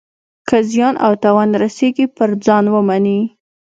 که زیان او تاوان رسیږي پر ځان ومني.